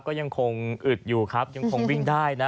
ก็ยังคงอึดอยู่ครับยังคงวิ่งได้นะ